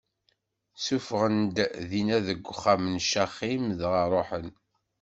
Ssufɣen-d Dina seg uxxam n Caxim, dɣa ṛuḥen.